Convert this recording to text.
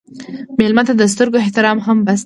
مېلمه ته د سترګو احترام هم بس دی.